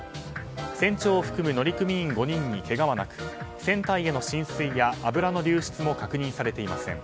船長を含む乗組員５人にけがはなく船体への浸水や油の流出も確認されていません。